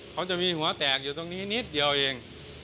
เขาจะมีหัวแตกอยู่ตรงนี้นิดเดียวเอง